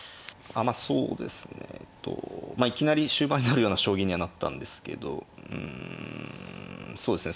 まあそうですねえっといきなり終盤になるような将棋にはなったんですけどうんそうですね